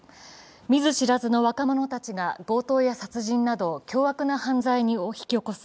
見ず知らずの若者たちが強盗や殺人など凶悪な犯罪を引き起こす。